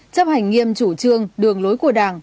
chấp hành nghiêm chủ trương đường lối của đảng